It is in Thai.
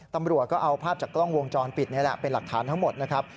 ตำรวจก็เอาภาพจากกล้องวงจรปิดนี่แหละเป็นหลักฐานทั้งหมดนะครับ